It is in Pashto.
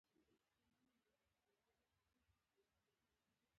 زړه د روښان فکر څنډه ده.